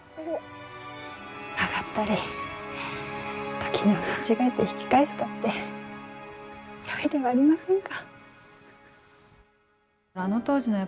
曲がったり時には間違えて引き返したってよいではありませんか。